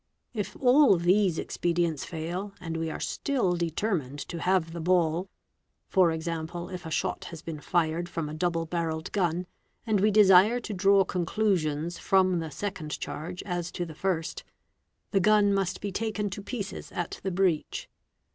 If all these expedients fail and we are still determined to have the ball—for example, if a shot has been fired from a double barrelled gun, and we desire to draw conclusions from the second charge as to the first—the gun must be taken to pieces at the breech.